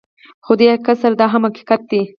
خو دې حقیقت سره دا هم حقیقت دی